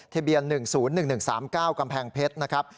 ทะเบียน๑๐๑๑๓๙กำแพงเพชรนะครับ